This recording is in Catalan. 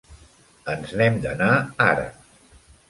Ens n'hem d'anar ara.